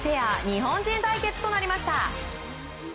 日本人対決となりました。